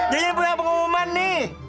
jajan punya pengumuman nih